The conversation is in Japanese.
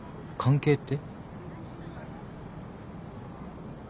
関係って？